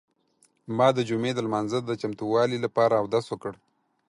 ما د جمعې د لمانځه د چمتووالي لپاره اودس وکړ.